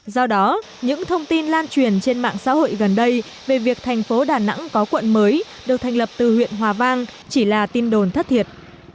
do đó những thông tin lan truyền trên mạng xã hội gần đây về việc thành phố đà nẵng có quận mới được thành lập từ huyện hòa vang chỉ là tin đồn thất thiệt